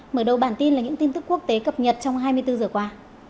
mở đầu bản tin là những tin tức quốc tế cập nhật trong hai mươi bốn giờ qua